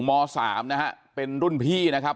ม๓นะฮะเป็นรุ่นพี่นะครับ